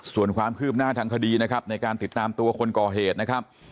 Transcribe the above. ส่วนความคืบหน้าทางคดีนะครับในการติดตามตัวคนก่อเหตุนะครับ